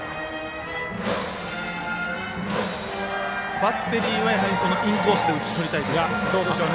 バッテリーはインコースで打ち取りたいんですか。